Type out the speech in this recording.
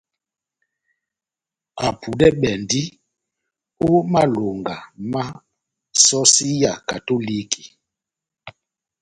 Apudɛbɛndi ó malonga má sɔsi ya katoliki.